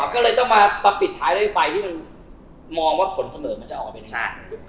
ก็เลยต้องมาปรับปิดท้ายด้วยไภที่มองว่าผลเสมอมันจะออกไปได้